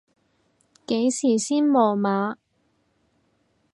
幾時先無碼？